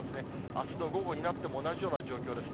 あすの午後になっても同じような状況です。